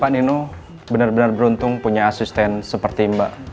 pak nino bener bener beruntung punya asisten seperti mbak catherine ini